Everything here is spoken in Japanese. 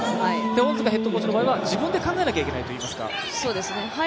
恩塚ヘッドコーチの場合は自分で考えなきゃいけないといいますか。